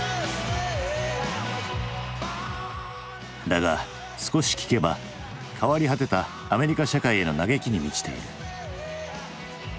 だが少し聴けば変わり果てたアメリカ社会への嘆きに満ちている。